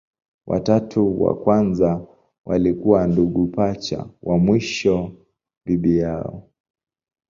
Watatu wa kwanza walikuwa ndugu pacha, wa mwisho bibi yao.